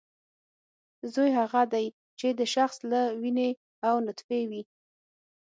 زوی هغه دی چې د شخص له وینې او نطفې وي